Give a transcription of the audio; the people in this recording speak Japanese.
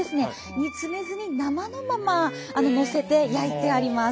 煮詰めずに生のままのせて焼いてあります。